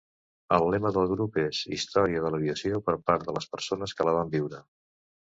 El lema del grup és "Història de l"aviació per part de les persones que la van viure".